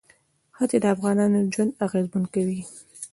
ښتې د افغانانو ژوند اغېزمن کوي.